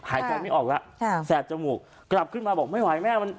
หายใจไม่ออกแล้วแสบจมูกกลับขึ้นมาบอกไม่ไหวแม่มัน